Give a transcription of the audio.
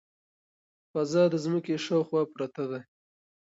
فضا د ځمکې شاوخوا پرته ده.